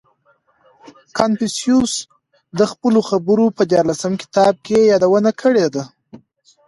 • کنفوسیوس د خپلو خبرو په دیارلسم کتاب کې یې یادونه کړې ده.